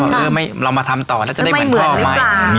เออเรามาทำต่อแล้วจะได้เหมือนพ่อไหม